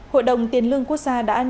hội đồng tiền lương quốc gia đã nhận ra